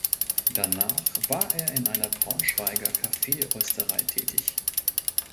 Danach war er in einer Braunschweiger Kaffee-Rösterei tätig.